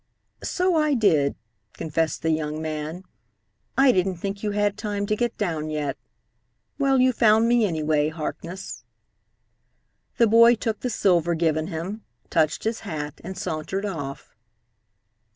"So I did," confessed the young man. "I didn't think you had time to get down yet. Well, you found me anyhow, Harkness." The boy took the silver given him, touched his hat, and sauntered off.